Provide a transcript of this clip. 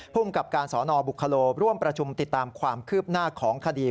ภูมิกับการสอนอบุคโลร่วมประชุมติดตามความคืบหน้าของคดี